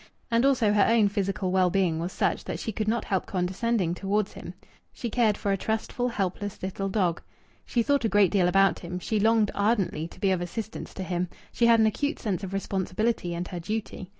And also her own physical well being was such that she could not help condescending towards him. She cared for a trustful, helpless little dog. She thought a great deal about him; she longed ardently to be of assistance to him; she had an acute sense of her responsibility and her duty.